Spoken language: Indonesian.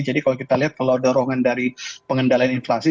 jadi kalau kita lihat kalau dorongan dari pengendalian inflasi